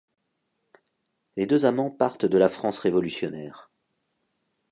Les deux amants partent de la France révolutionnaire.